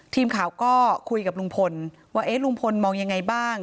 ทีมข่าวก็คุยกับลุงพลว่าเอ๊ะลุงพลมองยังไงบ้าง